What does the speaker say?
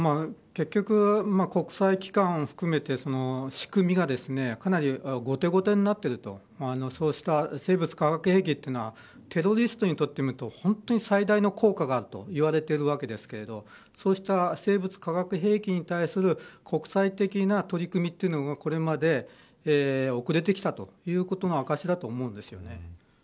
結局、国際機関を含めて仕組みがかなり後手後手になっているとそうした生物化学兵器というのはテロリストにとってみると本当に最大の効果があると言われているわけですがそうした生物・化学兵器に対する国際的な取り組みというのはこれまで遅れてきたということの証しだと思うんです。